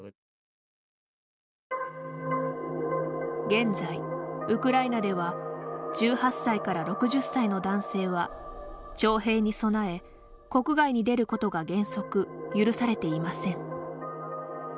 現在、ウクライナでは１８歳から６０歳の男性は徴兵に備え、国外に出ることが原則、許されていません。